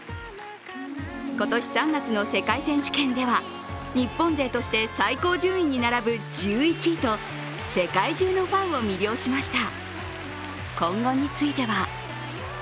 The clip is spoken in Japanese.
今年３月の世界選手権では日本勢として最高順位に並ぶ１１位と世界中のファンを魅了しました。